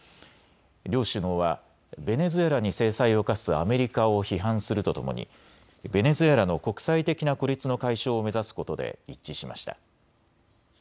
両首脳はベネズエラに制裁を科すアメリカを批判するとともにベネズエラの国際的な孤立の解消を目指すことで一致しました。